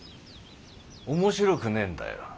面白くねえんだよ。